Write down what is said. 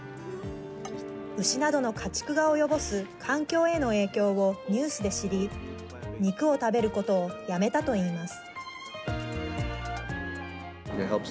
牛などの家畜が及ぼす環境への影響をニュースで知り肉を食べることをやめたといいます。